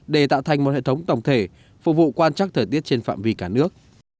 để tạo thành một hệ thống tổng thể phục vụ quan trắc thời tiết trên phạm vi cả nước